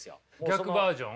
逆バージョン。